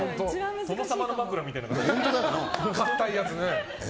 殿様の枕みたいな。